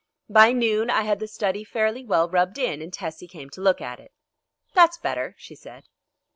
By noon I had the study fairly well rubbed in and Tessie came to look at it. "That's better," she said.